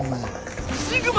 シグマ！？